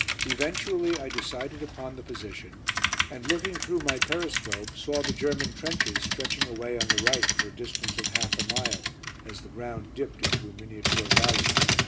Eventually I decided upon the position, and looking through my periscope saw the German trenches stretching away on the right for a distance of half a mile, as the ground dipped into a miniature valley.